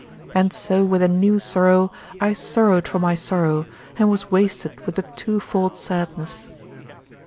And so with a new sorrow I sorrowed for my sorrow and was wasted with a twofold sadness.